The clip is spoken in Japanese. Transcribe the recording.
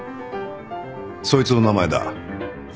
そいつの名前だ。